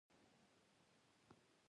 هغه په قهر شو او بله لغتنامه یې خلاصه کړه